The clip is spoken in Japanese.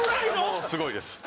もうすごいです。